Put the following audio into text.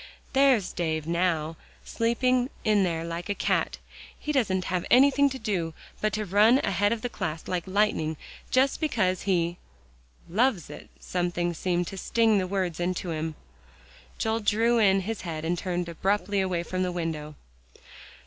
There's Dave now, sleeping in there like a cat; he doesn't have anything to do, but to run ahead of the class like lightning just because he" "Loves it," something seemed to sting the words into him. Joel drew in his head and turned abruptly away from the window.